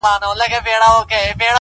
مخ ځيني اړومه,